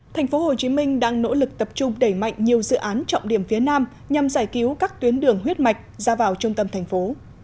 thành phố hồ chí minh đang nỗ lực tập trung đẩy mạnh nhiều dự án trọng điểm phía nam nhằm giải cứu các tuyến đường huyết mạch ra vào trung tâm thành phố